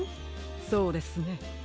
そうですね。